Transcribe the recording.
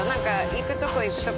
行くとこ行くとこ